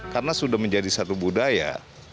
karena sudah menjadi satu budaya